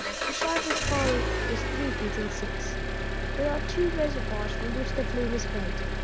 The sharpest fall is three feet in six. There are two reservoirs from which the flume is fed.